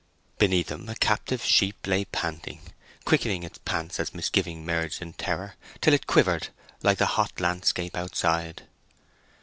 Beneath them a captive sheep lay panting, quickening its pants as misgiving merged in terror, till it quivered like the hot landscape outside.